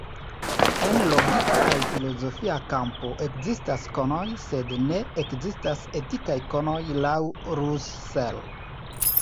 En logika kaj filozofia kampo ekzistas konoj, sed ne ekzistas etikaj konoj laŭ Russell.